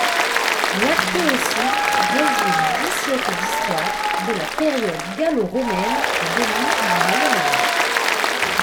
L'archéosite résume dix siècles d'histoire, de la période gallo-romaine au début du Moyen Âge.